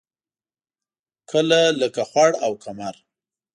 کله لکه خوړ او کمر.